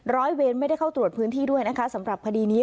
ร้อยเวรไม่ได้เข้าตรวจพื้นที่ด้วยนะคะสำหรับคดีนี้